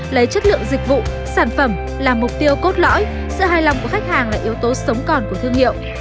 lấy chất lượng dịch vụ sản phẩm là mục tiêu cốt lõi sự hài lòng của khách hàng là yếu tố sống còn của thương hiệu